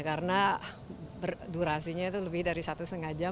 karena durasinya itu lebih dari satu setengah jam